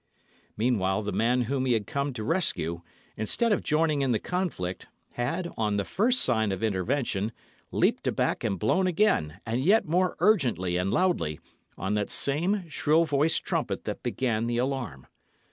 Meanwhile the man whom he had come to rescue, instead of joining in the conflict, had, on the first sign of intervention, leaped aback and blown again, and yet more urgently and loudly, on that same shrill voiced trumpet that began the alarm.